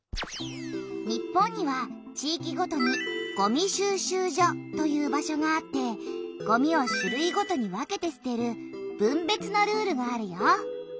日本には地いきごとにごみ収集所という場所があってごみを種類ごとに分けてすてる分別のルールがあるよ。